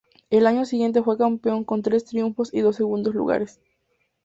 El año siguiente fue campeón con tres triunfos y dos segundos lugares.